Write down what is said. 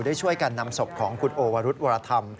ได้ช่วยกันนำศพของคุณโอวรุธวรธรรม